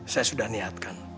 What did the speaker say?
saya sudah niatkan